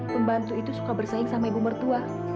pembantu itu suka bersaing sama ibu mertua